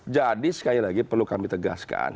jadi sekali lagi perlu kami tegaskan